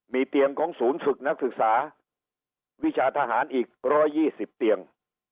มีเตียงของศูนย์ฝึกนักศึกษาวิชาทหารอีก๑๒๐เตียง